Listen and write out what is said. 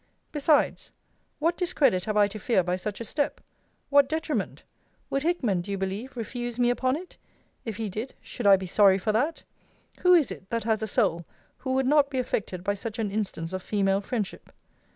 Besides, What discredit have I to fear by such a step? What detriment? Would Hickman, do you believe, refuse me upon it? If he did, should I be sorry for that? Who is it, that has a soul, who would not be affected by such an instance of female friendship?